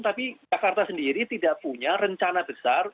tapi jakarta sendiri tidak punya rencana besar